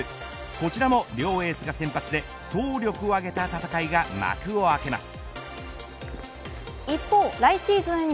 こちらも両エースが先発へ総力を挙げた戦いが幕を開けます。